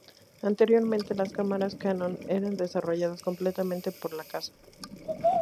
Anteriormente, las cámaras Canon eran desarrolladas completamente por la casa.